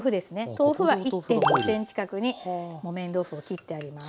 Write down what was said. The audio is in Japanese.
豆腐は１．５ｃｍ角に木綿豆腐を切ってあります。